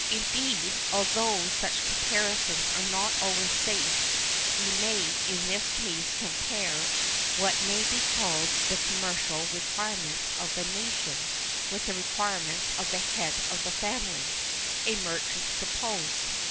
Indeed, although such comparisons are not always safe, we may in this case compare what may be called the commercial requirements of the nation with the requirements of the head of the family,—a merchant suppose.